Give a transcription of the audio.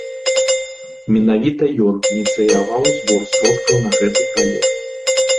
Менавіта ён ініцыяваў збор сродкаў на гэты праект.